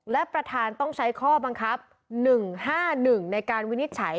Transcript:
และประธานต้องใช้ข้อบังคับ๑๕๑ในการวินิจฉัย